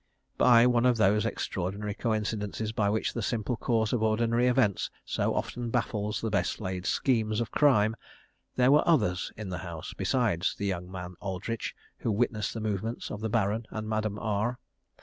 By one of those extraordinary coincidences by which the simple course of ordinary events so often baffles the best laid schemes of crime, there were others in the house, besides the young man Aldridge, who witnessed the movements of the Baron and Madame R.